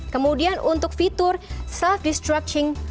kemudian untuk fitur self destructuring